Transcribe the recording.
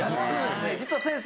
実は先生